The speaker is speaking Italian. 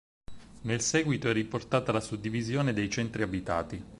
Nel seguito è riportata la suddivisione dei centri abitati.